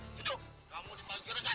jenduk kamu di balik juragan